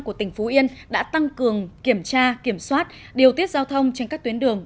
của tỉnh phú yên đã tăng cường kiểm tra kiểm soát điều tiết giao thông trên các tuyến đường